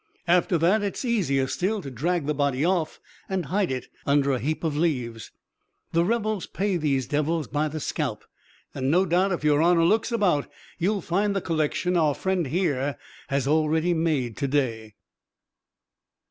After that it's easier still to drag the body off and hide it under a heap of leaves. The rebels pay these devils by the scalp, and no doubt if your honor looks about, you'll find the collection our friend here has already made to day."